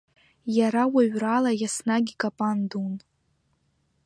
Иара уаҩрала иаснагь икапан дун.